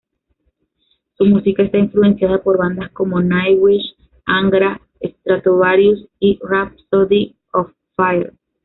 Su música está influenciada por bandas como: Nightwish, Angra, Stratovarius y Rhapsody of Fire.